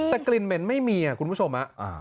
แต่กลิ่นเหม็นไม่มีคุณผู้ชม